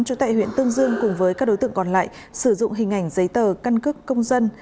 chủ tại huyện tương dương cùng với các đối tượng còn lại sử dụng hình ảnh giấy tờ căn cước công dân